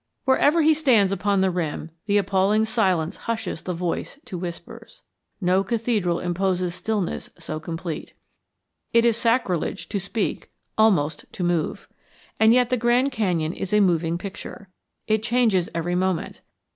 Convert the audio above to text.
Wherever he stands upon the rim the appalling silence hushes the voice to whispers. No cathedral imposes stillness so complete. It is sacrilege to speak, almost to move. And yet the Grand Canyon is a moving picture. It changes every moment.